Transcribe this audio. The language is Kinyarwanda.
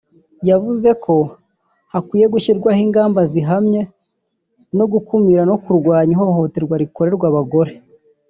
yavuze ko hakwiye gushyirwaho ingamba zihamye mu gukumira no kurwanya ihohoterwa rikorerwa abagore